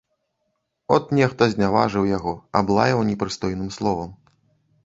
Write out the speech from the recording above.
От, нехта зняважыў яго, аблаяў непрыстойным словам.